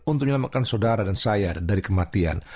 untuk menyelamatkan saudara dan saya dari kematian